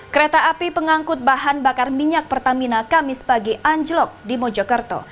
kereta api pengangkut bahan bakar minyak pertamina kamis pagi anjlok di mojokerto